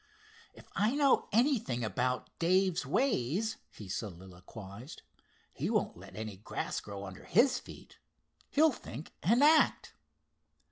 "If I know anything about Dave's ways," he soliloquized, "he won't let any grass grow under his feet. He'll think and act.